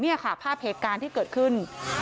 นี่ค่ะภาพเหตุการณ์ที่เกิดขึ้น